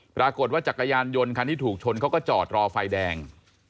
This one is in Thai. จักรยานยนต์คันที่ถูกชนเขาก็จอดรอไฟแดง